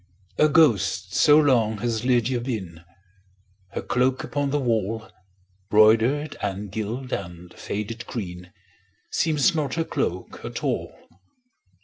A ghost so long has Lydia been, Her cloak upon the wall, Broidered, and gilt, and faded green, Seems not her cloak at all.